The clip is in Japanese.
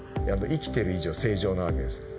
生きてる以上正常な訳です。